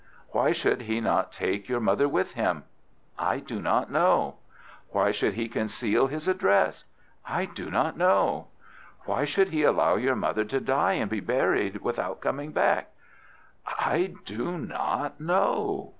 "Why should he not take your mother with him?" "I do not know." "Why should he conceal his address?" "I do not know." "Why should he allow your mother to die and be buried without coming back?" "I do not know."